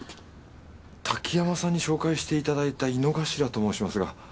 滝山さんに紹介していただいた井之頭と申しますが。